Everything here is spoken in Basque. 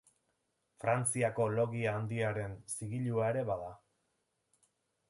Frantziako Logia Handiaren zigilua ere bada.